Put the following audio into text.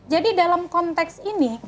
jadi dalam konteks ini